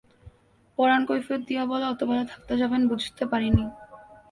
পরান কৈফিয়ত দিয়া বলে, অত বেলা থাকতে যাবেন বুঝতে পারিনি।